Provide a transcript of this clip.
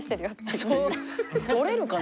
そうとれるかな？